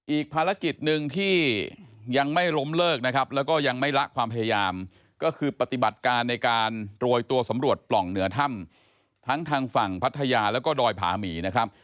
อีกภารกิจหนึ่งที่ยังไม่ล้มเลิกนะครับแล้วก็ยังไม่ละความพยายามก็คือปฏิบัติการในการโรยตัวสำรวจปล่องเหนือถ้ำทั้งทางฝั่งพัทยาแล้วก็ดอยผาหมีนะครับ